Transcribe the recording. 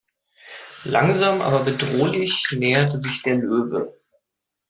Langsam aber bedrohlich näherte sich der Löwe.